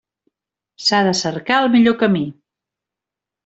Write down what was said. S'ha de cercar el millor camí.